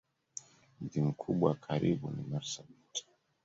Mji mkubwa wa karibu ni Marsabit.